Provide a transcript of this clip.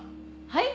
はい！？